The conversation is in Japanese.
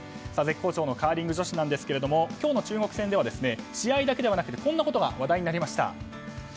絶好調のカーリング女子ですが今日の中国戦では試合だけでなくこんなことが話題になりました。